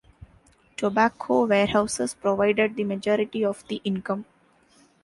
Tobacco warehouses provided the majority of the income.